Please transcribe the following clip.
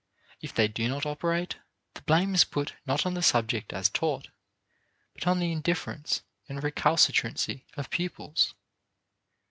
If they do not operate, the blame is put not on the subject as taught, but on the indifference and recalcitrancy of pupils.